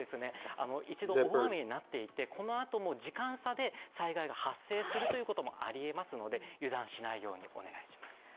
一度大雨になっていてこのあとも時間差で災害が発生するということもありえますので、油断しないようにお願いします。